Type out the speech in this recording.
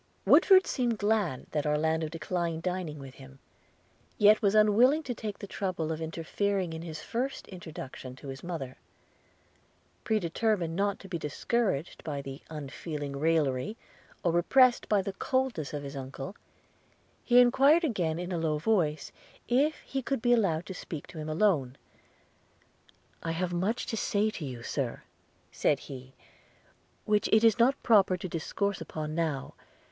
Woodford seemed glad that Orlando declined dining with him, yet was unwilling to take the trouble of interfering in his first introduction to his mother. Pre determined not to be discouraged by the unfeeling raillery, or repressed by the coldness of his uncle, he enquired again in a low voice, if he could be allowed to speak to him alone – 'I have much to say to you, Sir,' said he, 'which it is not proper to discourse upon now.